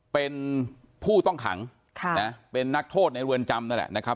เป็นผู้ต้องขังเป็นนักโทษในเรือนจำนั่นแหละนะครับ